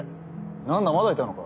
何だまだいたのか。